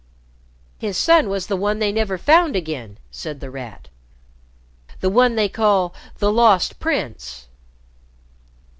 "His son was the one they never found again," said The Rat. "The one they call the Lost Prince."